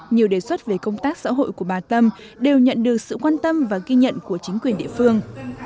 nhiều đề xuất về công tác xã hội của bà tâm đều nhận được sự quan tâm và ghi nhận của chính quyền địa phương